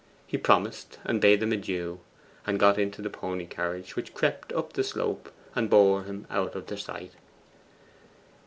He promised, and bade them adieu, and got into the pony carriage, which crept up the slope, and bore him out of their sight.